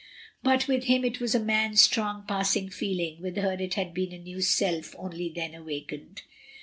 But with him it was a man's strong passing feeling, with her it had been a new self only then awakened.